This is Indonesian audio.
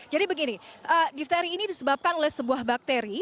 jadi begini difteri ini disebabkan oleh sebuah bakteri